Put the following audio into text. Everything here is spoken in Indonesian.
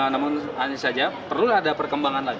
namun hanya saja perlu ada perkembangan lagi